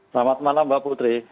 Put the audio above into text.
selamat malam mbak putri